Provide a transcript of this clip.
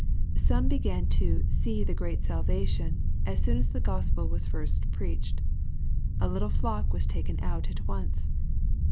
Some began to "see the great salvation" as soon as the Gospel was first preached. A little flock was taken out at once.